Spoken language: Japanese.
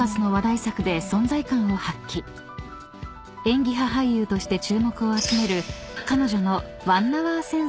［演技派俳優として注目を集める彼女の］